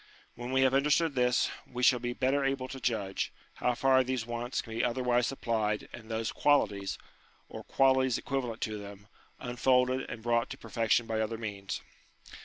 When we have understood this, we shall be better able to judge, how far these wants can be otherwise supplied and those qualities, or qualities equivalent to them, unfolded and brought to per fection by other means.